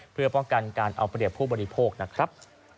เพื่อป้องกันการเอาเปรียบผู้บริโภคนะครับ